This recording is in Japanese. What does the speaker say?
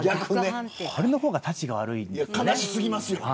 それの方がたちが悪いんです。